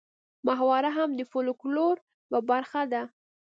محاوره هم د فولکلور یوه برخه ده